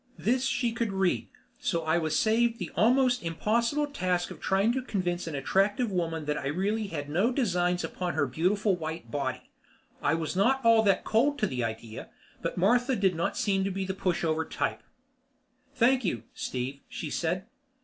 This she could read, so I was saved the almost impossible task of trying to convince an attractive woman that I really had no designs upon her beautiful white body. I was not at all cold to the idea, but Martha did not seem to be the pushover type. "Thank you, Steve," she said.